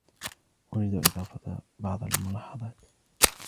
أريد إضافة بعض الملاحظات